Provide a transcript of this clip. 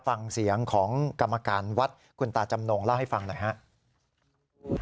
ฟังเสียงของกรรมการวัดคุณตาจำนงเล่าให้ฟังหน่อยครับ